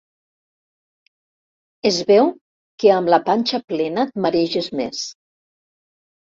Es veu que amb la panxa plena et mareges més.